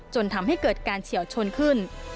จนทำให้เกิดการเฉียวชนขึ้น